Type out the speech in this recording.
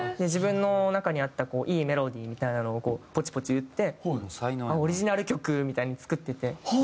自分の中にあったいいメロディーみたいなのをポチポチ打ってオリジナル曲みたいに作ってて。